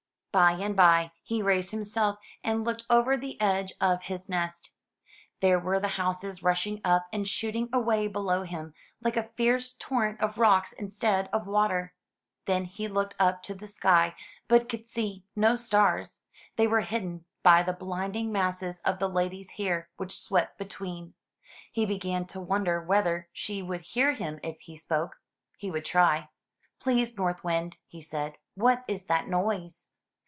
By and by he raised himself and looked over the edge of his nest. There were the houses rushing up and shooting away below him, like a fierce torrent of rocks instead of water. Then he looked up to the sky, but could see no stars; they were hid den by the blinding masses of the lady's hair which swept between. He began to wonder whether she would hear him if he spoke. He would try. "Please, North Wind," he said, "what is that noise?''